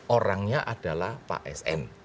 orangnya adalah pak sn